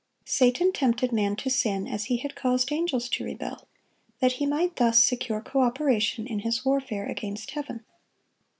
Satan tempted man to sin, as he had caused angels to rebel, that he might thus secure co operation in his warfare against Heaven.